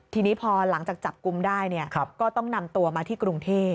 ทีนี้พอหลังจากจับกลุ่มได้ก็ต้องนำตัวมาที่กรุงเทพ